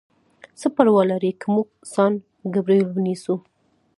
څه پروا لري که موږ سان ګبریل ونیسو؟